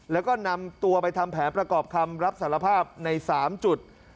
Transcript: แล้วก็นำตัวไปทำแผนประกอบคำรับสารภาพใน๓จุด